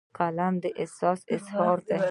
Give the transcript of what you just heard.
قلم د احساس اظهار دی